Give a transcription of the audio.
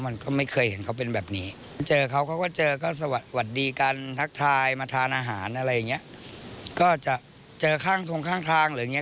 มันก็ไม่เคยเห็นเขาเป็นแบบนี้เจอเขาก็เจอก็สวัสดีกันทักทายมาทานอาหารอะไรอย่างนี้